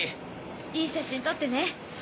いい写真撮ってね。